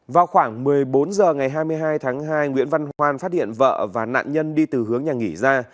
vào khoảng một mươi bốn h ngày hai mươi hai tháng hai nguyễn văn hoan phát hiện vợ và nạn nhân đi từ hướng nhà nghỉ ra